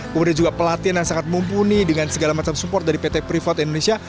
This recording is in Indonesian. kemudian juga pelatihan yang sangat mumpuni dengan segala macam support dari pt freeport indonesia